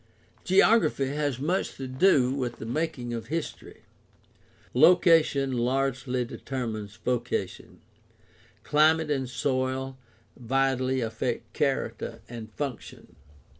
— Geography has much to do with the making of history. Location largely determines vocation; climate and soil vitally affect character and function.